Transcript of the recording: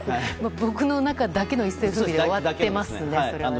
僕の中だけの一世風靡で終わってますね、それは。